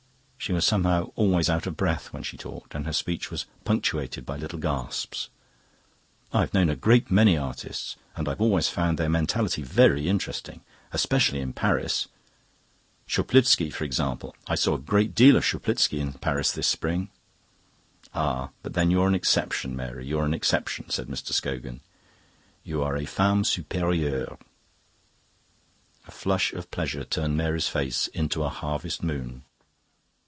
She was somehow always out of breath when she talked. And her speech was punctuated by little gasps. "I've known a great many artists, and I've always found their mentality very interesting. Especially in Paris. Tschuplitski, for example I saw a great deal of Tschuplitski in Paris this spring..." "Ah, but then you're an exception, Mary, you're an exception," said Mr. Scogan. "You are a femme superieure." A flush of pleasure turned Mary's face into a harvest moon.